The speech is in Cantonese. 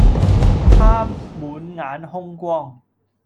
他滿眼兇光，